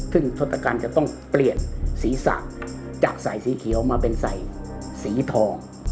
ซึ่งทศกัณฑจะต้องเปลี่ยนศีรษะจากใส่สีเขียวมาเป็นใส่สีทอง